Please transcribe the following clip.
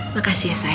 makasih ya sayang